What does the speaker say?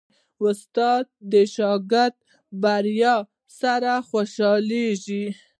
استاد د شاګرد د بریا سره خوشحالېږي.